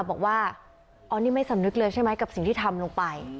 บอกว่าอ๋อนี่ไม่สำนึกเลยใช่ไหมกับสิ่งที่ทำลงไป